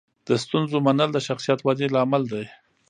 د ستونزو منل د شخصیت ودې لامل دی.